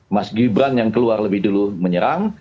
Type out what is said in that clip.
mas gibran yang keluar lebih dulu menyerang